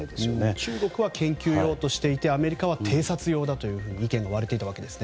中国は研究用としていてアメリカは偵察用だと意見が割れていたわけですね。